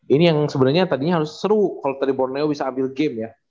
ini yang sebenarnya tadinya harus seru kalau tadi borneo bisa ambil game ya